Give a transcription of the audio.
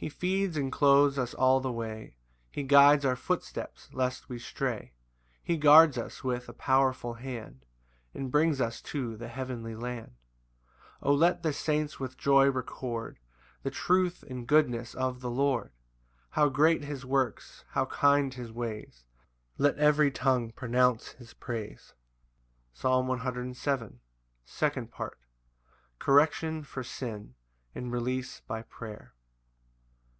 7 He feeds and clothes us all the way, He guides our footsteps lest we stray, He guards us with a powerful hand And brings us to the heavenly land. 8 O let the saints with joy record The truth and goodness of the Lord! How great his works! how kind his ways! Let every tongue pronounce his praise. Psalm 107:2. Second Part. Correction for sin, and release by prayer.